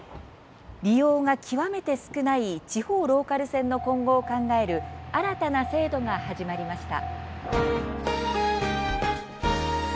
利用が極めて少ない地方ローカル線の今後を考える新たな制度が始まりました。